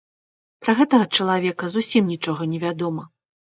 Пра гэтага чалавека зусім нічога не вядома.